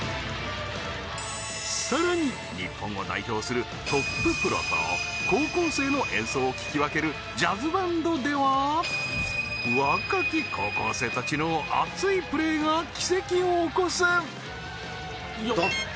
さらに日本を代表するトッププロと高校生の演奏を聴き分けるジャズバンドでは若き高校生たちの熱いプレーが奇跡を起こすドン！